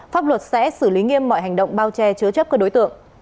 pháp luật sẽ xử lý nghiêm mọi hành động bao che chứa chấp các đối tượng